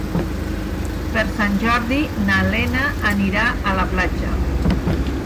Per Sant Jordi na Lena anirà a la platja.